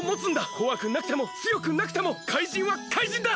こわくなくてもつよくなくても怪人は怪人だ！